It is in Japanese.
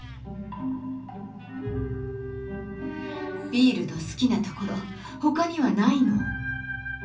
ビールの好きなところ他にはないの？